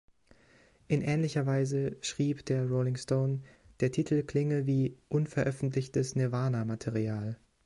In ähnlicher Weise schrieb der „Rolling Stone“, der Titel klinge wie „unveröffentlichtes Nirvana-Material“.